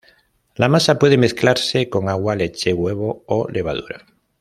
La masa puede mezclarse con agua, leche, huevo o levadura.